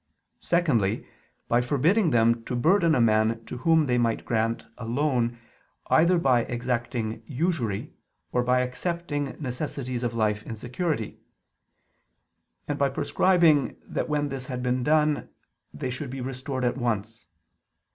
Secondly, by forbidding them to burden a man to whom they might grant a loan, either by exacting usury, or by accepting necessities of life in security; and by prescribing that when this had been done they should be restored at once.